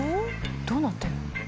どうなってるの？